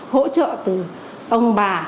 hỗ trợ từ ông bà